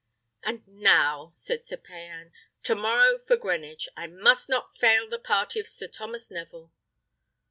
"And now," said Sir Payan, "to morrow for Greenwich; I must not fail the party of Sir Thomas Neville.